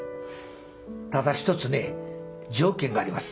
ただ一つね条件があります。